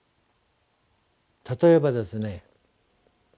例えばですね